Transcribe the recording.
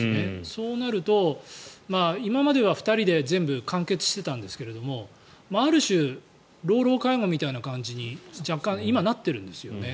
そうなると、今までは２人で全部完結してたんですがある種、老老介護みたいな感じに若干、今なってるんですよね。